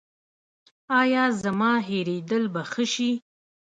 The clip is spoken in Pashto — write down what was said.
ایا زما هیریدل به ښه شي؟